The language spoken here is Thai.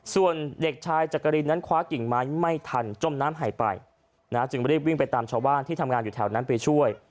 ส่วนเด็กชายจักรินนั้นคว้ากิ่งไม้ไม่ทันจมน้ำหายไปจึงรีบวิ่งไปตามชาวบ้านที่ทำงานอยู่แถวนั้นไปช่วย